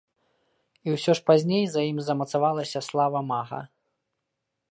І ўсё ж пазней за ім замацавалася слава мага.